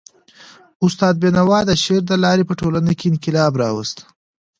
استاد بینوا د شعر د لاري په ټولنه کي انقلاب راوست.